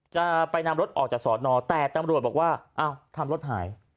จะไปนำรถออกจากสอนอแต่ตำรวจบอกว่าอ้าวทำรถหาย